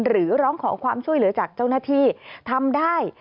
หรือร้องขอความช่วยเหลือจากเจ้าหน้าที่ทำได้